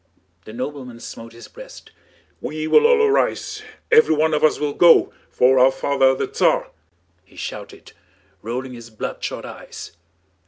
The nobleman smote his breast. "We will all arise, everyone of us will go, for our father the Tsar!" he shouted, rolling his bloodshot eyes.